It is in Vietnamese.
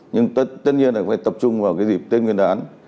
nhưng tất nhiên là cũng phải tập trung vào cái dịp tết nguyên đán